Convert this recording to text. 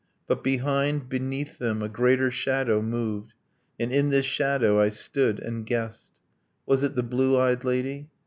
. but behind, beneath them A greater shadow moved: and in this shadow I stood and guessed ... Was it the blue eyed lady?